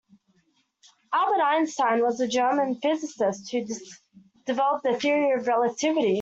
Albert Einstein was a German physicist who developed the Theory of Relativity.